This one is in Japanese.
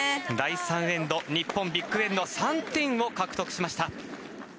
第３エンド日本、ビッグ・エンド３点を獲得しました。